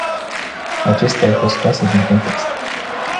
Acestea au fost scoase din context.